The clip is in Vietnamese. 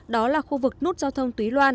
đó là khu vực nút giao thông túy loan